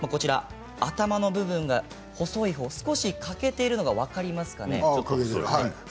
頭の部分、細いほう、少し欠けているのが分かりますか。